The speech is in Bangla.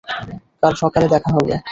কাল সকালে দেখা হবে।